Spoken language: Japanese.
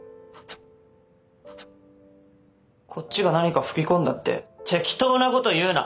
こっちが何か吹き込んだって適当なこと言うな！